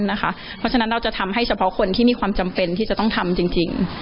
เพราะฉะนั้นเราจะทำให้เฉพาะคนที่มีความจำเป็นที่จะต้องทำจริง